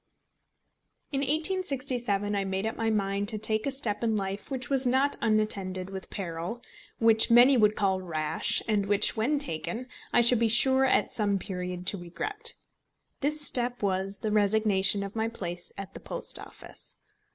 ] In 1867 I made up my mind to take a step in life which was not unattended with peril, which many would call rash, and which, when taken, I should be sure at some period to regret. This step was the resignation of my place in the Post Office.